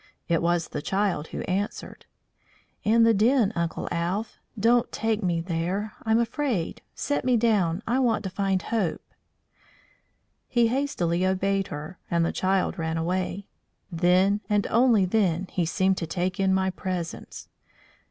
It was the child who answered. "In the den, Uncle Alph. Don't take me there; I'm afraid. Set me down; I want to find Hope." He hastily obeyed her, and the child ran away. Then, and only then, he seemed to take in my presence.